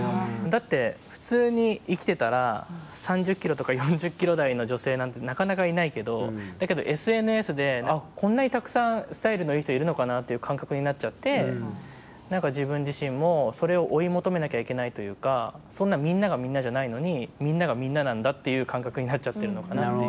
だって普通に生きてたら３０ｋｇとか４０ｋｇ台の女性なんて、なかなかいないけどだけどＳＮＳであっ、こんなにたくさんスタイルのいい人いるのかなっていう感覚になっちゃって自分自身も、それを追い求めなきゃいけないというかみんながみんなじゃないのにみんながみんななんだっていう感覚になっちゃってるのかなって。